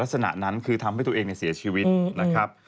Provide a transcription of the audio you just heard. ลักษณะนั้นคือทำให้ตัวเองเสียชีวิตนะครับ